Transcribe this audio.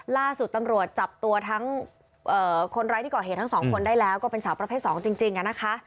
ล่าสุดตำรวจจับตัวทั้งคนร้ายที่ก่อเหตุทั้งสองคนได้แล้วก็เป็นสาวประเภท๒จริงนะคะ